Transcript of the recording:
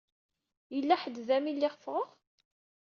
Yella ḥedd da mi lliɣ ffɣeɣ?